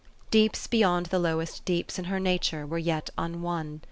Deeps beyond the lowest deeps in her nature were yet unwon.